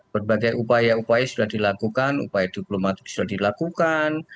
berbagai upaya upaya sudah dilakukan upaya diplomatik sudah dilakukan